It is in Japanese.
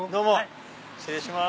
失礼します。